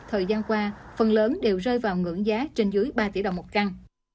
thời gian qua phần lớn đều rơi vào ngưỡng giá trên dưới ba tỷ đồng một căn